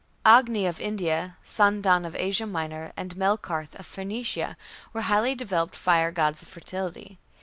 Agni of India, Sandan of Asia Minor, and Melkarth of Phoenicia were highly developed fire gods of fertility.